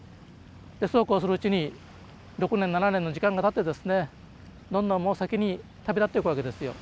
でそうこうするうちに６年７年の時間がたってですねどんどんもう先に旅立っていくわけですよ。